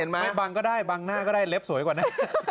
ไม่บังก็ได้บังหน้าก็ได้เล็บสวยกว่านะ